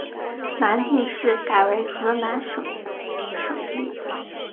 南定市改为河南宁省省莅。